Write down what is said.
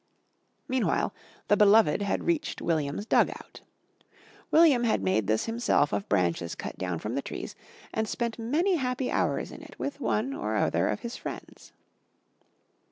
Meanwhile the beloved had reached William's "dug out." William had made this himself of branches cut down from the trees and spent many happy hours in it with one or other of his friends.